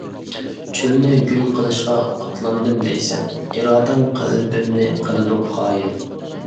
چۆلنى گۈل قىلىشقا ئاتلاندىم دەيسەن، ئىرادەڭ قەلبىمنى قىلىدۇ قايىل.